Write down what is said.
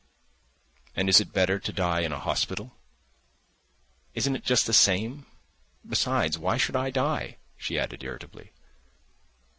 "And is it better to die in a hospital?" "Isn't it just the same? Besides, why should I die?" she added irritably.